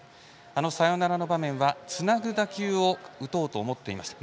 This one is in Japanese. あのサヨナラの場面はつなぐ打球を打とうと思っていました。